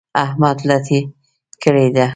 احمد لټي کړې ده.